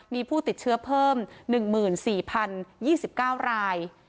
มีผู้ติดเชื้อเพิ่ม๑๔๐๒๙ราย